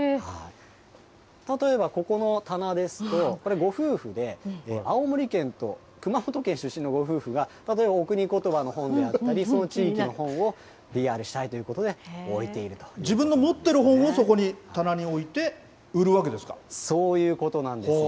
例えば、ここの棚ですと、これ、ご夫婦で青森県と熊本県出身のご夫婦が、例えば、お国ことばの本であったりとか、その地域の本をＰＲしたいという自分の持ってる本、そこに、そういうことなんですよ。